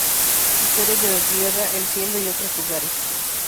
Historias de la tierra, el cielo y otros lugares.